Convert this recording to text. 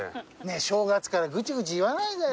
正月からぐちぐち言わないでよ。